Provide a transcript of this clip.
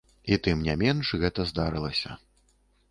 І тым не менш, гэта здарылася.